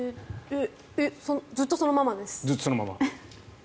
ずっとそのままです。